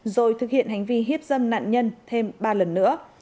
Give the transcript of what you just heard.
rồi thực hiện hành vi hiếp dâm nạn nhân thêm ba lần nữa